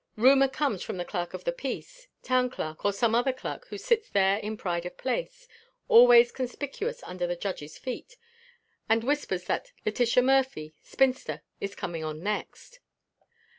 Rumour comes from the clerk of the peace, town clerk, or some other clerk who sits there in pride of place, always conspicuous under the judge's feet, and whispers that Letitia Murphy, spinster, is coming on next.